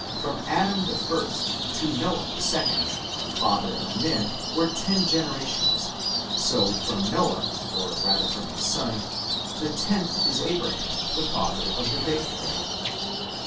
from Adam the first, to Noah the second, father of men, were ten generations: so from Noah, or rather from his son, the tenth is Abraham the father of the faithful.!